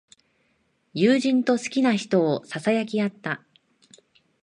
友人と好きな人をささやき合った。